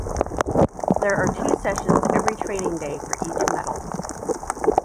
There are two sessions every trading day for each metal.